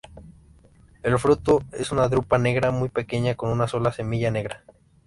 El fruto es una drupa negra muy pequeña, con una sola semilla negra.